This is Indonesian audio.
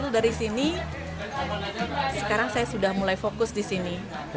disini sekarang saya sudah mulai fokus di sini